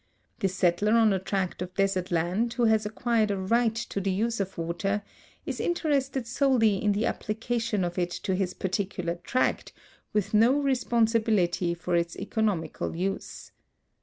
The settler on a tract of desert land who has acquired a right to the use of water is interested solely in the application of it to his particular tract, with no responsibility for its economical use.